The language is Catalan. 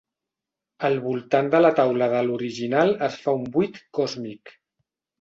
Al voltant de la taula de l'Horiginal es fa un buit còsmic.